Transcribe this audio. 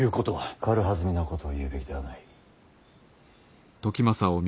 軽はずみなことは言うべきではない。